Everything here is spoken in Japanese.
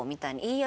いや。